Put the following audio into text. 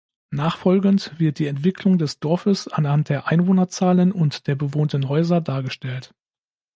Nachfolgend wird die Entwicklung des Dorfes anhand der Einwohnerzahlen und der bewohnten Häuser dargestellt.